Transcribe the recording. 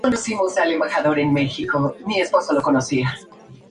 Las láminas se distribuyen de forma tupida, muy juntas.